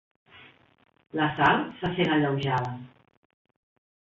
La Sal se sent alleujada.